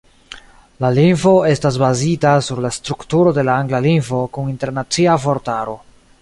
La lingvo estas bazita sur la strukturo de la angla lingvo kun internacia vortaro.